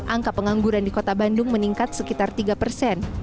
angka pengangguran di kota bandung meningkat sekitar tiga persen